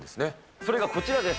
それがこちらです。